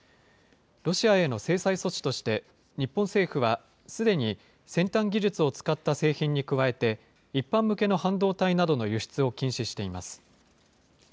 ロシアへの制裁措置として、日本政府は、すでに先端技術を使った製品に加えて、一般向けの半導体などの輸出を禁止しています。